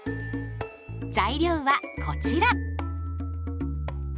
材料はこちら。